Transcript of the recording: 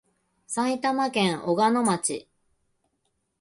埼玉県小鹿野町